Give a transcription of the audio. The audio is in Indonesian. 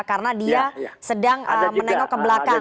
karena dia sedang menengok ke belakang